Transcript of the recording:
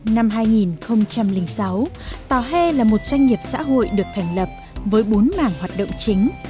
năm hai nghìn sáu tòa he là một doanh nghiệp xã hội được thành lập với bốn mảng hoạt động chính